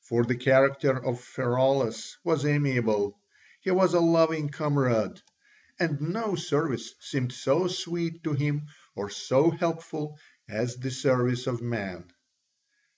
For the character of Pheraulas was amiable: he was a loving comrade, and no service seemed so sweet to him or so helpful as the service of man.